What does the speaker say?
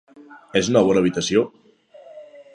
És una bona habitació!